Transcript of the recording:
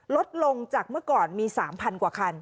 ลดลงจากเมื่อก่อนมี๓๐๐กว่าคัน